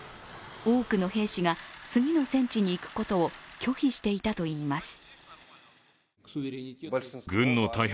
多くの兵士が次の戦地に行くことを拒否していたといいます。